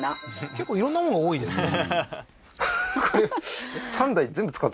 結構色んなもの多いですね